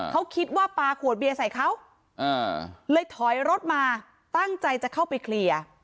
เขาคิดว่าปลาขวดเบียร์ใส่เขาเลยถอยรถมาตั้งใจจะเข้าไปเคลียร์